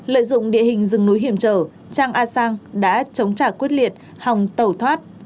lợi dụng địa hình rừng núi hiểm trở trang a sang đã chống trả quyết liệt hòng tẩu thoát